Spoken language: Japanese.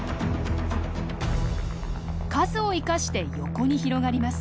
数を生かして横に広がります。